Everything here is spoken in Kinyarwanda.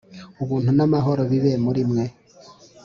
Ubuntu n'amahoro bibe muri mwe,